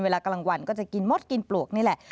เวลากลางวันก็จะกินมดกินปลวกนี่แหละ